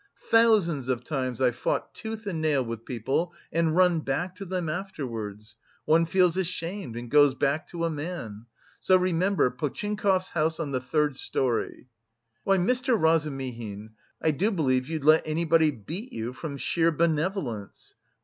Thousands of times I've fought tooth and nail with people and run back to them afterwards.... One feels ashamed and goes back to a man! So remember, Potchinkov's house on the third storey...." "Why, Mr. Razumihin, I do believe you'd let anybody beat you from sheer benevolence."